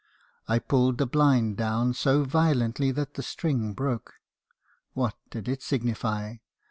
I pulled the blind down so violently that the string broke. What did it signify?